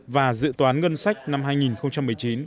và dự toán ngân sách năm hai nghìn một mươi chín